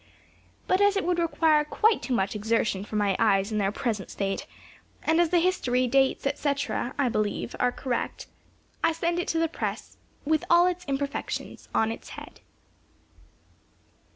But as it would require quite too much exertion for my eyes in their present state, and as the history, dates, &c., I believe, are correct, I send it to the press "with all its imperfections on its head."